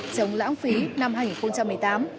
chống lãng phí năm hai nghìn một mươi tám